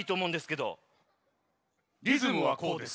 リズムはこうです。